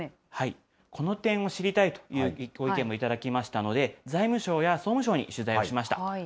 この点を知りたいというご意見も頂きましたので、財務省や総務省に取材をしました。